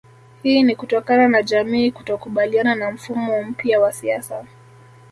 Hii ni kutokana na jamii kutokubaliana na mfumo mpya wa siasa